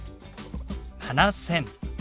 ７０００。